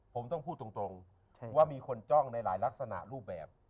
ผมต้องพูดตรงว่ามีคนจ้องในหลายลักษณะรูปแบบ